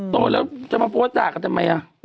โตแล้วจะมาโพสต์ด่ากันทำไม